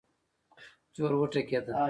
چې ور وټکېده.